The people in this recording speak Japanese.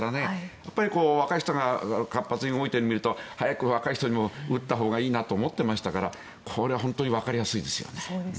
やっぱり若い人が活発に動いているのを見ると早く若い人にも打ったほうがいいと思っていましたからこれは本当にわかりやすいですよね。